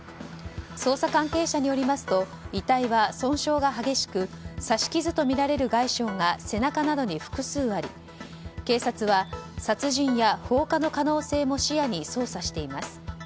捜査関係者によりますと遺体は損傷が激しく刺し傷とみられる外傷が背中などに複数あり警察は殺人や放火の可能性も視野に捜査しています。